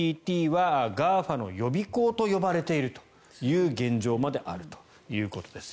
ＮＴＴはＧＡＦＡの予備校と呼ばれているという現状まであるということです。